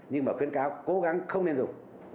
nhưng mà khuyến cáo cố gắng không nên dùng